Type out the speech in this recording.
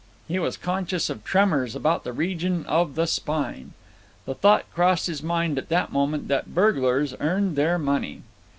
He was conscious of tremors about the region of the spine. The thought crossed his mind at that moment that burglars earned their money.